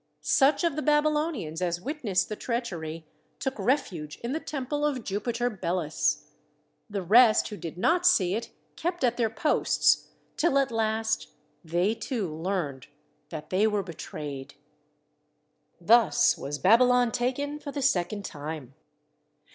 Such of the Babylonians as witnessed the treachery took refuge in the temple of Jupiter Belus; the rest who did not see it kept at their posts, till at last they too learned that they were betrayed. Thus was Babylon taken for the second time.